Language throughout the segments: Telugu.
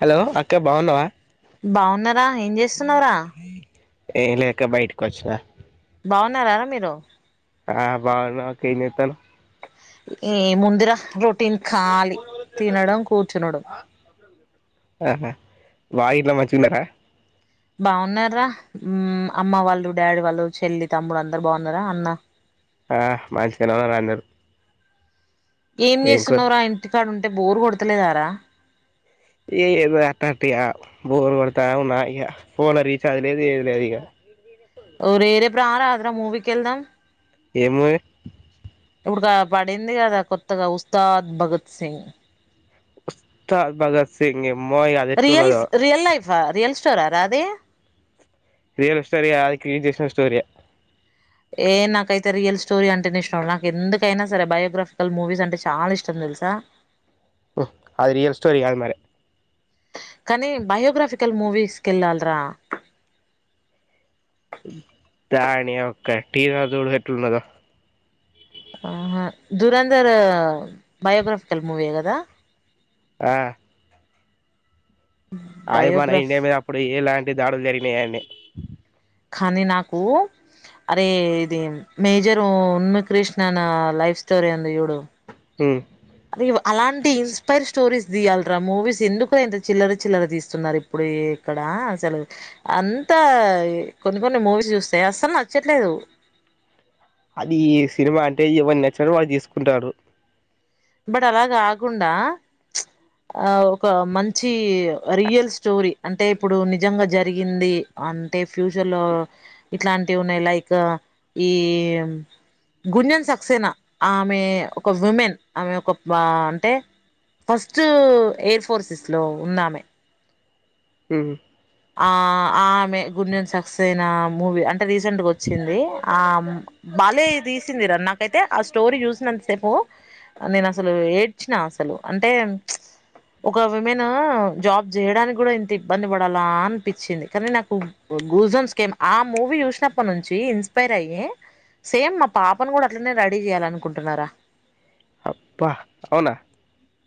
హలో అక్క బాగున్నావా బావున్నారా ఏం చేస్తున్నారా ఏ లేక్క బయటకి వచ్చిన బాగున్నారారా మీరు ఆ బాగున్నాక నతాను ఈ ముందిర రొటీన్ ాలి తినడం కూర్చునడం ఆ బయిట్లా మంచికున్నారా బాగున్నార రాా అమ్మ వాళ్ళు డాడీ వాళ్ళు చెల్లి తమ్ముడు అందరు బాగున్నారా అన్న ఆ మంచిగాన రాన్నారు ఏం చేస్తున్నార ఆ ఇంటి కార్డు ఉంటే బోరు కొడతలేదారా ఏ ఏదో అట్టట్క బోర్ పడతావున్నా ఇక ఫోన్ లో రీచార్జ్ లేదు ఏది లేదు ఇక ేరే ప్ర ఆ రాదరా మూవికెళ్దాం ఏమ ఇప్పుడు పడింది కదా కొత్తగా ఉస్తాద్ భగత్ సింగ్ చ బగా సింగ రియల్ రియల్ లైఫా రియల్ స్టోరా రాదే రియల్ స్టోర అది క చేసిన స్టోరియా ఏ నాకైతే రియల్ స్టోరీ అంటేనే ఇష్టం నాకు ఎందుకైనా సరే బయో్రాఫికల్ మూవీస్ అంటే చాలా ఇష్టం తెలుసా అది రియల్ స్టోరి కాదు మరి కానీ బయోగ్రాఫికల్ మూవీస్కెళ్ళాలరా దాణి ఒక్క టీనా చూడుట్న్నదా దురంధర్ బయోగ్రఫికల్ మూవీయ కదా ఆ అవి మన బయోగ్రఫ్ ఇండియా మీద అప్పుడు ఎలాంటి దాడులు జరిగినాయడి కని నాకు అరే ఇది మేజరు ఉన్మి కృష్ణన లైఫ్ స్టోరి అంది యూడు హ అది అలాంటి ఇన్స్పైర్ స్టోరీస్ తీియాలిరా మూవీస్ ఎందుకు ఇంత చిల్లర చిల్లర తీస్తున్నారు ఇప్పుడు ఇక్కడ అసలు అంతా కొన్ని కొన్ని మూవీ చూస్తాయి అస్సలు నచ్చట్లేదు అది సినిమా అంటే ఎవని నచ్చిన వాళ్ళు తీసుకుంటారు బట్ అలా కాకుండా ఆ ఒక మంచి రియల్ స్టోరీ అంటే ఇప్పుడు నిజంగా జరిగింది అంటే ఫ్యూచర్లో ఇట్లాంటివి ఉన్నాయి లైక్ ఈ గుజన్ సక్సేన ఆమె ఒక విమెన్ ఆమె ఒక బా అంటే ఫస్ట్ ఎయిర్ ఫోర్సెస్లో ఉన్నామే ఉమ్ ఆ ఆమె గుండన్ సక్సెస్ ఐన మూవీ అంటె రీసెంట్గ ఒచ్చింది ఆ బాలే తీసిందిరా నాకైతే ఆ స్టోరీ చూసినంత సేపు నేనసలు ఏడ్చిన అసలు అంటే ఒక విమెను జాబ్ చేయడానికి గుడా ఇంత ఇబ్బంది పడాల్ బా అనిపించింది కానీ నాకు గూజన్స్ కేమ్ ఆ మూవీ చూసినప్పటి నుంచి ఇన్స్పైర్ అయ్యి సేమ్ మా పాపను గుడా అట్లనే రెడీ చేయ్యాలనుకుంటున్నరా అబ్బాహ్ ఔన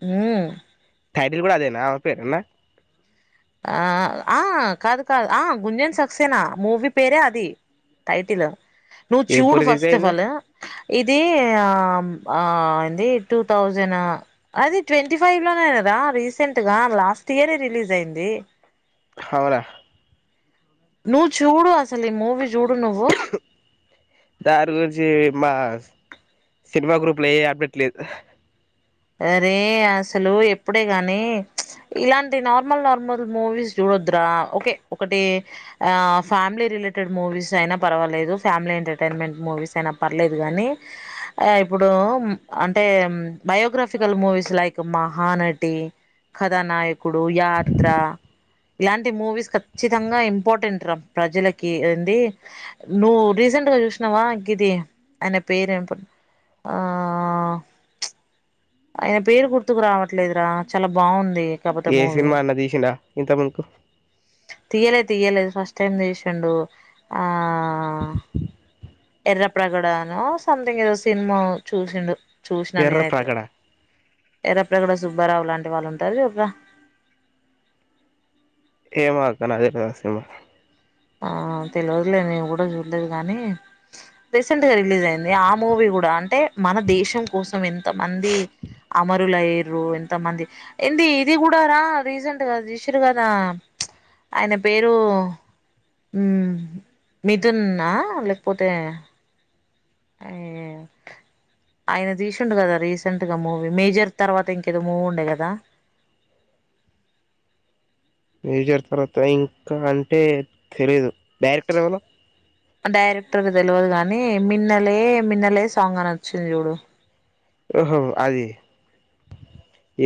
ఉమ్ టైటిల్ గుడా అదేనా పేరున్న ఆ ఆ కాదు కా అ గుంజన్ సక్సేనా మూవీ పేరే అది టైటిల నువ్ ఎప్పుడు చూడు రిలీజ్ ఫస్ట్ అయింది ఎఫల్ ఇదీ ఆ ఎంది టూ థౌజండ్ అది ట్వంటీ ఫైవ్ లోనే గదా అ రీసెంట్గా లాస్ట్ ఇయరే రిలీజ్ ఐంది ఔన ను చూడు అసలు ఇ మూవి చూ దారుగురించి మా సినిమా గ్రూప్ల ఏ అప్డెట్ లేదు అరే అసలు ఎప్పుడే గాని ఇలాంటి నార్మల్ నార్మల్ మూవీస్ జుడ్ ద్ర ఒకే ఒకటి ఆ ఫ్యామ్లీ రిలేటెడ్ మూవీస్ ఐనా పర్వాలేదు ఫమిలైతె టైన్మెంట్ మూవీస్ ఐన పర్లేదు గనీ ఇప్పుడూ అంటే biographical movies like Mahanati, Kathanayakudu, Yatra ఇలాంటి మూవీస్ ఖచ్చితంగా ఇంపార్టెంట్ర ప్రజలకి ఏంది నువ్వు రీసెంట్ గ జుష్నవా గ్గిది ఆయన పేరు ఏం ఆ ఐన పేరు గుర్తుకు రావట్లేదురా చాలా బాగుంది కాకపోతే ఏ మూవీ సిన్మా అన్న తీశిండ ఇంత ముందుకు తీయలే తీయలే ఫస్ట్ టైం తీశిండు ఆ ఎర్ర ప్రగడనో సమ్థింగ్ ఏదో సిన్మా చూసిండు చుష్న ఎర్ర నేనైతే ప్రగడ ఎరప్రగడ సుబ్బారావు లాంటి వాళ్ళు ఉంటారుగ ఒక ఎమోఅక్క నాదెల్వ సిన్మా ఆ తెల్వదులేదు నేను గుడా చూడ్లేదు గానీ రీసెంట్గా రిలీజ్ ఐంది ఆ మూవీ గుడా అంటే మన దేశం కోసం ఎంత మందీ అమరులైరు ఎంత మంది ఏంది ఇది గుడా రా రీసెంట్గా తీషర్ గదా ఐన పేరూ మిథున్నా లేపోతే ఐన తీసిండు గదా రీసెంట్ గా మూవీ మేజర్ తర్వాత ఇంకేదో మూవీ ఉండే గదా మేజర్ తర్వాత ఇంకా అంటే తెలిదు డైరెక్టర్ ఎవరు డైరెక్టరు తెల్వదు గాని మిన్నలే మిన్నలే సాంగ్ అని ఒచ్చింది చూడు ఓహో అది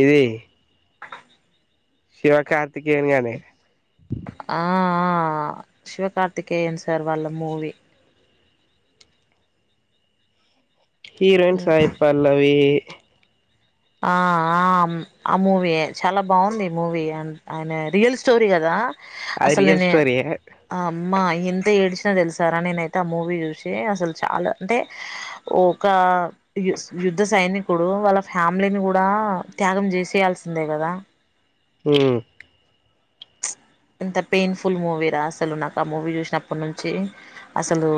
ఇది శివ కార్తికేనుగానీ ఆ శివ కార్తికేయన్ సర్ వాళ్ళ మూవీ హీరోయిన్ సాయ్పల్లవీ ఆ అమ్ ఆ మూవీ చాలా బాగుంది మూవీ అన్ ఐన రియల్ స్టోరీ గదా అది రియల్ అసలెనే స్టోరీ ఆమ్ అమ్మా ఎంత ఏడ్చినా తెలుసారా నేనైతే ఆ మూవీ చూసి అసలు చాలా అంటే ఓక ఆ యస్ యుద్ధ సైనికుడు వాళ్ళ ఫ్యామిలీని కూడా త్యాగం చేసేయాల్సిందే కదా ఊ ఎంత పెయిన్ఫుల్ మూవీరా అసలు నాకు ఆ మూవీ చూసినప్పటి నుంచి అసలు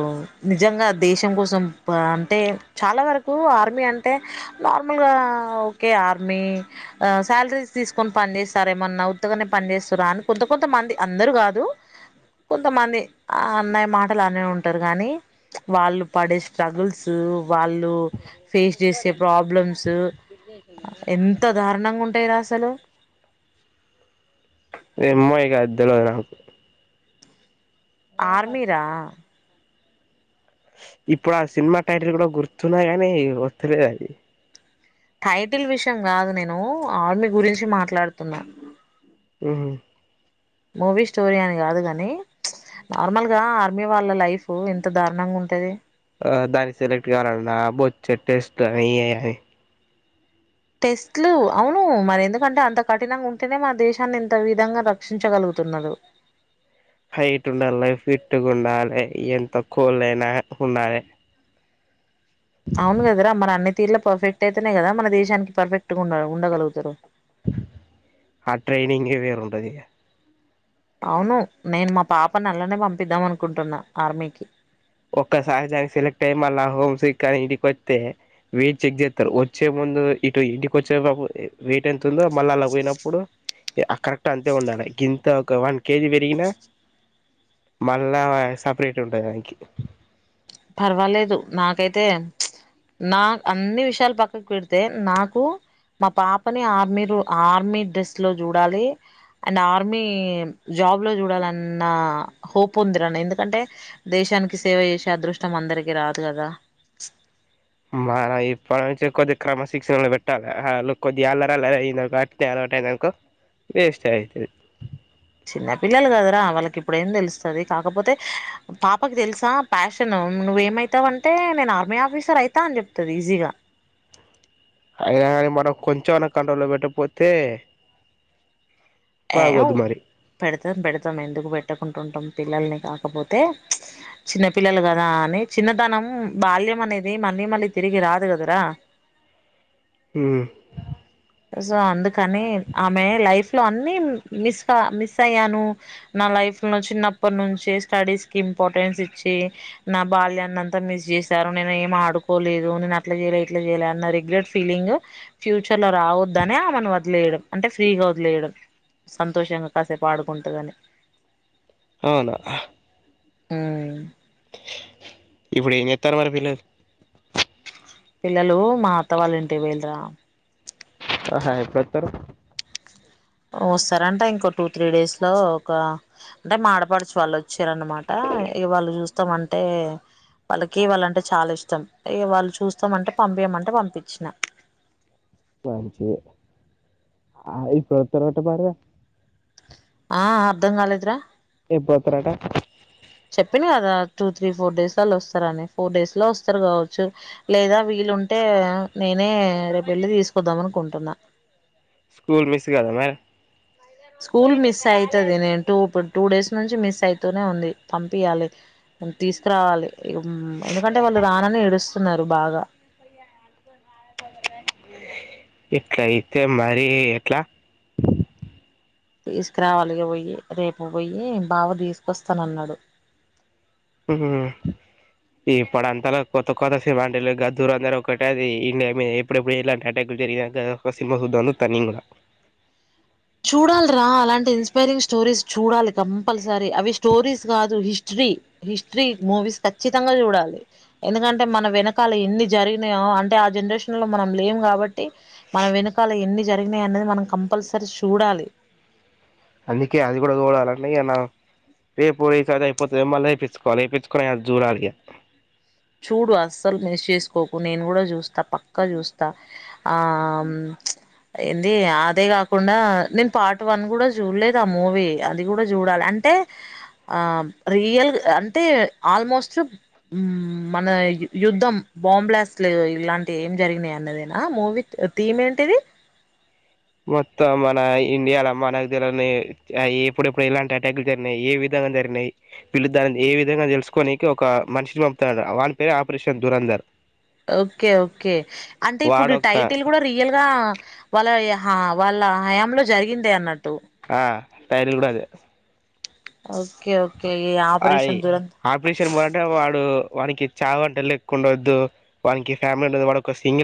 నిజంగా ఇంగ దేశం కోసం ప అంటే చాలా వరకు ఆర్మీ అంటే నార్మల్ గా కె ఆర్మీ ఆ శాలరీస్ తీసుకొని పని చేేస్తారు ఏమన్నా ఉత్తగనే పని చేసుర అన్ కొంత కొంత మంది అందరు కాదు కొంతమంది ఆ అన్నయ్య మాటలు అనే ఉంటారు గానీ వాళ్ళు పడే స్ట్రగుల్స్ వాళ్ళు ఫేస్ చేసే ప్రాబ్లమ్స్ ఊ ఎంత దారుణంగా ఉంటయి రా అసలు ఎమ్మో ఇగ అద్ దెల్వద్ నాకు ఆర్మీరా ఇప్పుడు ఆ సినిమా టైటిల్ కూడా గుర్తున్నది గాని వతలేదు అది టైటిల్ విషయం కాదు నేను ఆర్మీ గురించి మాట్లాడుతున్నా ఊహు మూవీ స్టోరీ అని కాదు గని ప్చ్ నార్మల్ గా ఆర్మీ వాళ్ళ లైఫు ఎంత దారుణంగా ఉంటది ఆ దానికి సెలెక్ట్ కావాలన్నా బొచ్చేడ్ టెస్ట్ లు అని ఇ ఆని టెస్ట్లు అవును మరి ఎందుకంటే అంత కఠినంగా ఉంటేనే మన దేశాన్ని ఇంత విధంగా రక్షించగలగు తున్నలు హైట్ ఉండలే ఫిట్ ఉండలే ఎంత కోల్డ్ అయినా ఉండాలే అవును కదరా మరి అన్ని తీర్ల పర్ఫెక్ట్ అయితేనే కదా మన దేశానికి పర్ఫెక్ట్ గా ఉ ఉండగలుగుతారు ఆ ట్రైనింగ్ ఏ వేరుంటది ఇగ అవును నేను మా పాప అల్లనే పంపిద్దాం అనుకుంటున్నా ఆర్మీకి ఒక్క సహజానికి సెలెక్ట్ అయ్యి మళ్ళ హోమ్స్ సిక్ అయ్ ఈడీకి వొత్తే వెయిట్ చెక్ చేస్తారు వచ్చే ముందు ఇందు ఇటు ఇంటికి వచ్చేటపు వెయిట్ ఎంత ఉందో మళ్ళీ అల పోయినప్పుడు ఇగ క కరెక్ట్ అంతే ఉండాల గింత ఒక వన్ కేజీ పెరిగినా మళ్ళా సపరేట్ ఉంటంది దానికి పర్వాలేదు నాకైతే నా అన్ని విషయాలు పక్కకు పెడితే నాకు మా పాపని ఆర్మీ రు ఆర్మీ డ్రెస్ లో చూడాలి అండ్ ఆర్మీ జాబ్ లో చూడాలన్న హోప్ ఉందిర నే ఎందుకంటే దే శానికి సేవ చేసే అదృష్టం అందరికీ రాదు కదా మనం ఇప్ప నుంచె కొద్ది క్రమశిక్షణలో పెట్టాలే వాళ్ళు కొద్దిగా అల్లర్ అల్లర్ ఐనరనుకో అట్ నే అటే ఐన్దానుకొ వేస్ట్ ఏ ఐతది చిన్న పిల్లలు కదరా వాళ్ళకి ఇప్పుడు ఏం తెలుస్తది కాకపోతే పాపకి తెలుసా ప్యాషను అ నువ్వేమవుతావంటే నేను ఆర్మీ ఆఫీసర్ ఐతా అని చెప్తది ఈజీగా అయినా కాని మనం కొంచెం అనా కంట్రోల్లో పెట్టకపోతే బాగోదు ఏవ్ మరి పెడతాం పెడతాం ఎందుకు పెట్టకుంటుంటాం పిల్లల్ని కాకపోతే చిన్న పిల్లలు కదా అని చిన్నతనం బాల్యం అనేది మళ్ళీ మళ్ళీ తిరిగి రాదు కదరా ఆ సో అందుకని ఆమె లైఫ్ లో అన్ని మిస్ క మిస్ అయ్యాను నా లైఫ్ లైఫ్ లో చిన్నప్పటి నుంచి స్టడీస్ కి ఇంపార్టెన్స్ ఇచ్చి నా బాల్యాన్నంతా మిస్ చేశారు ఉ నేనేం ఆడుకొలేదు నే అట్ల జేయలే ఇట్ల జేయలే అన్న రెగ్రేట్ ఫీలింగు ఫ్యూచర్ లో రావద్దనే ఆమెను వదిలేయడం అంటే ఫ్రీగా వదిలేయడం సంతోషంగా కాసేపు ఆడుకుంటగాని అవునా ఉ ఇప్పుడు ఏం చెత్తారు మరి పిల్లలు పిల్లలు మా అత్తవాళ్ళ ఇంటి వేల్రా ఆహా ఎపుడత్తరు వస్తారంట ఇంకో టూ త్రీ డేస్ లో ఒక అంటే మాడపడుచు వాళ్ళు వచ్చిరనమాట ఆ ఇగ వాళ్ళు చూస్తామంటే వాళ్ళకి వాళ్ళంటే చాలా ఇష్టం ఇగ వాళ్ళు చూస్తామంటే పంపియమంటే వంపిచిన పంచి ఆ ఇప్పుడుత్తరువాటు భార్య ఆ అర్ధం కాలేదురా ఎప్పురత్తారట రా టు త్రీ ఫోర్ డేస్ లల్ల వస్తరని ఫోర్డేస్ లో వస్తరు కావచ్చు లేదా వీలుంటే నేనే రేపు వెళ్ళి తీసుకుద్దాం అనుకుంటున్నా స్కూల్ మిస్ కదా మరే స్కూల్ మిస్ అయితది నేను టూ ఇప్ టూ డేస్ నుంచి మిస్ అయితూనే ఉంది పంపియాలే తీసుకురావాలి ఎందుకంటే వాళ్ళు రానని ఏడుస్తున్నారు బాగా ఇట్లాయితే మరి ఎట్లా తీసుకురావాలి ఇగా పోయి రేపు పోయి బావ తీసుకొస్తానన్నాడు ఉహు ఇప్పుడు అంతల కొత్త కొత్త సిమాంటులు గ దూరం గని ఒకటది ఇన్నె మీ ఎప్పుడెప్పుడు ఇలాంటే అటె గు జరిగినంక ఒక సినిమా సుద్దాం అని సుతాన్న నేను కుడా చూడాల్ రా అలాంటి ఇన్స్పైరింగ్ స్టోరీస్ చూడాలి కంపల్సరీ అవి స్టోరీస్ కాదు హిస్టరీ హిస్టరీ మూవీస్ ఖచ్చితంగా చూడాలి ఎందుకంటే మన వెనకాల ఎన్ని జరిగినాయో అంటే ఆ జనరేషన్ లో మనం లేము కాబట్టి మన వెనుకాల ఎన్ని జరిగినాయి అనేది మనం కంపల్సరీ చూడాలి అందుకే అది కూడా చూడాలంటె ఇగ నా రేపు పోయి ఈసారిదిఅయిపోతాది మళ్ళ ఏపిచుకోవాలె ఎపిచుకొని ఆది చూడాలి ఇగ చూడు అస్సలు మిస్ చేసుకోకు నేను కూడా చూస్తా పక్క చూస్తా ఆ ఏంది అదే కాకుండా నేను పార్ట్ వన్ కూడా చూడలేదు ఆ మూవీ అది కూడా చూడాలి అం అంటే ఆ రియల్ అంటే ఆల్మోస్ట్ ఉమ్ మన యుద్ధం బాం బ్లాస్ట్లు ఇలాంటి ఏం జరిగినాయి అన్నదేనా మూవీ థీమ్ ఏంటి ది మొత్తం మన ఇండియాల మనకు తెల్వని ఎప్పుడెప్పుడు ఎలాంటి అటాక్లు జరిగినాయి ఏ విధ జరిగినయి వీళ్ళు దాని ని ఏ విధంగా తెలుసుకోనికి ఒక మనిషిని పంపుతు వాని పేరు ఆపరేషన్ దూరంధర్ ఓకే ఓకే అంటే ఇప్పుడు వాడొక్క టైటిల్ కూడా రియల్గా వాళ్ళ వాళ్ళ హయాంలో జరిగిందే అన్న ఆ టైటిల్ కూడా అదే ఓకే ఓకే ఈ అయి ఆపరేషన్ దురంత ఆపరేషన్ మొదట వాడు వానీకి చావంటే లెక్కుండద్దు వానీకి ఫ్యామిలీ ఉండదు వాడోక సింగిల్